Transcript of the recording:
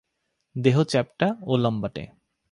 দেহ চ্যাপ্টা ও লম্বাটে।